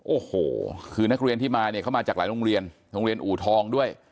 โอ้โหคือนักเรียนที่มาเนี่ยเขามาจากหลายโรงเรียนโรงเรียนอูทองด้วย